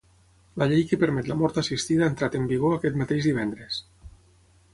La llei que permet la mort assistida ha entrat en vigor aquest mateix divendres.